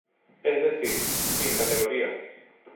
Es decir: sin categorías.